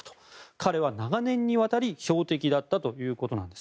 彼は長年にわたり標的だったということです。